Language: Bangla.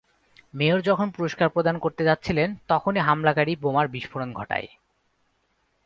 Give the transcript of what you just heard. মেয়র যখন পুরস্কার প্রদান করতে যাচ্ছিলেন তখনই হামলাকারী বোমার বিস্ফোরণ ঘটায়।